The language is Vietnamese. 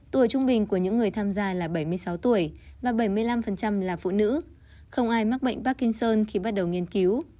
tuổi trung bình của những người tham gia là bảy mươi sáu tuổi và bảy mươi năm là phụ nữ không ai mắc bệnh parkinson khi bắt đầu nghiên cứu